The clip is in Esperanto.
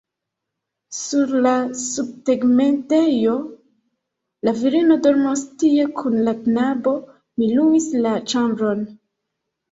Sur la subtegmentejo? La virino dormos tie kun la knabo; mi luis la ĉambron.